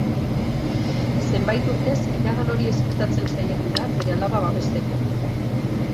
Zenbait urtez iragan hori ezkutatzen saiatu da bere alaba babesteko.